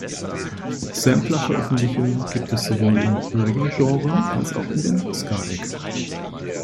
Sampler-Veröffentlichungen gibt es sowohl im Reggae-Genre als auch in der Ska-Ecke.